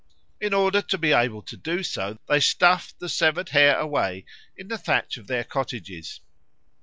In order to be able to do so they stuffed the severed hair away in the thatch of their cottages.